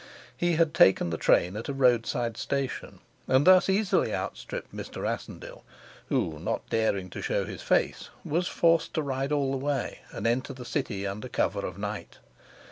He had taken the train at a roadside station, and thus easily outstripped Mr. Rassendyll, who, not daring to show his face, was forced to ride all the way and enter the city under cover of night.